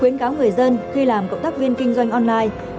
khuyến cáo người dân khi làm cộng tác viên kinh doanh online